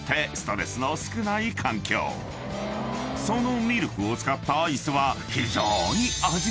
［そのミルクを使ったアイスは］